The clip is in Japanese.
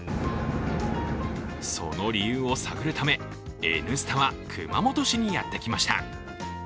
その理由を探るため、「Ｎスタ」は熊本市にやってきました。